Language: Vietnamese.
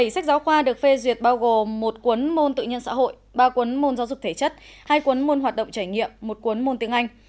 bảy sách giáo khoa được phê duyệt bao gồm một cuốn môn tự nhiên xã hội ba cuốn môn giáo dục thể chất hai cuốn môn hoạt động trải nghiệm một cuốn môn tiếng anh